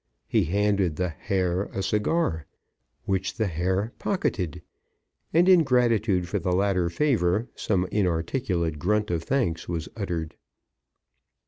He handed the Herr a cigar, which the Herr pocketed; and in gratitude for the latter favour some inarticulate grunt of thanks was uttered.